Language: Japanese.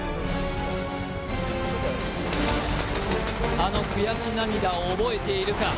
あの悔し涙を覚えているか。